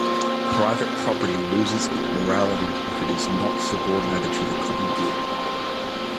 Private property loses its morality if it is not subordinated to the common good.